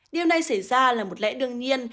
điều này xảy ra là một lẽ đương nhiên